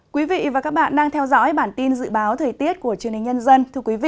quý vị và các bạn đang theo dõi bản tin dự báo thời tiết của truyền hình nhân dân